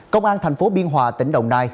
công an thành phố biên hòa tỉnh đồng nai